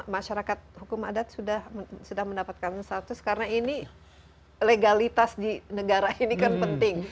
masyarakat hukum adat sudah mendapatkan status karena ini legalitas di negara ini kan penting